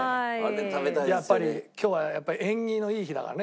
やっぱり今日は縁起のいい日だからね。